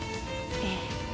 ええ。